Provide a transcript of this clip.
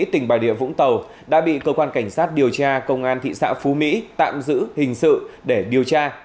tỉnh bà địa vũng tàu đã bị cơ quan cảnh sát điều tra công an thị xã phú mỹ tạm giữ hình sự để điều tra